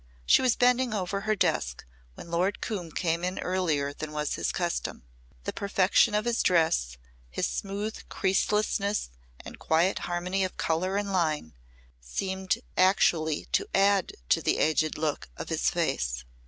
She was bending over her desk when Lord Coombe came in earlier than was his custom. The perfection of his dress, his smooth creaselessness and quiet harmony of color and line seemed actually to add to the aged look of his face.